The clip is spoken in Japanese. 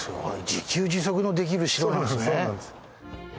自給自足のできる城なんですね。